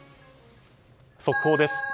速報です。